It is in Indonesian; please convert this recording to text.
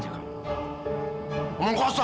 tidak ada foto